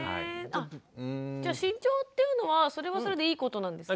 じゃあ慎重っていうのはそれはそれでいいことなんですね？